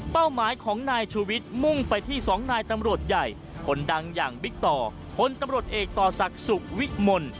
เป้าหมายของนายชวิตมุ่งไปที่สองนายตำรวจใหญ่คนดังอย่างบิ๊กต่อคนตำรวจเอกต่อสักสุกวิมล